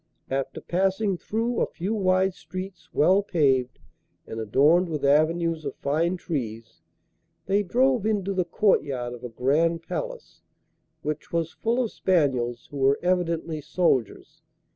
After passing through a few wide streets, well paved, and adorned with avenues of fine trees, they drove into the courtyard of a grand palace, which was full of spaniels who were evidently soldiers.